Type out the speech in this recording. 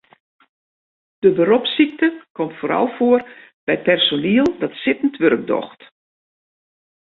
De beropssykte komt foaral foar by personiel dat sittend wurk docht.